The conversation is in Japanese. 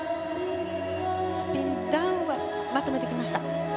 スピン、ダウンはまとめてきました。